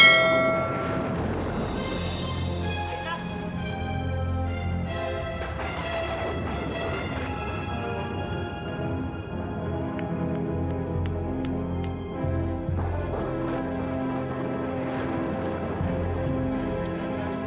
tidak tak apa